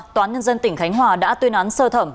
toán nhân dân tỉnh khánh hòa đã tuyên án sơ thẩm